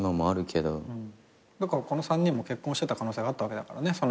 だからこの３人も結婚してた可能性があったわけだからね。